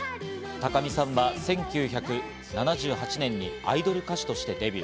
高見さんは１９７８年にアイドル歌手としてデビュー。